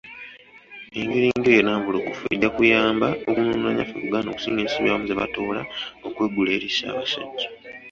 Engeri ng’eyo ennambulukufu ejja kuyamba okununula nyaffe Buganda okusinga ensimbi abamu zebatoola okwegula eri Ssabasajja.